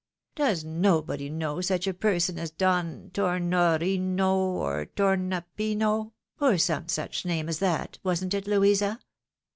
Does nobody know such a person as Don Tofnorino ? or Tornapino ? or some such name as that, wasn't it, Louisa?